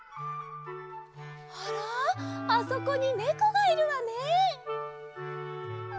あらあそこにネコがいるわね。